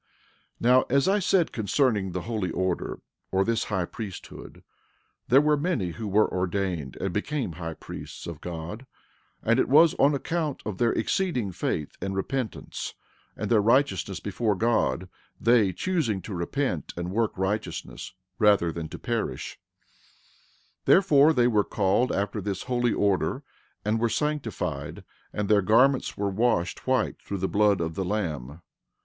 13:10 Now, as I said concerning the holy order, or this high priesthood, there were many who were ordained and became high priests of God; and it was on account of their exceeding faith and repentance, and their righteousness before God, they choosing to repent and work righteousness rather than to perish; 13:11 Therefore they were called after this holy order, and were sanctified, and their garments were washed white through the blood of the Lamb.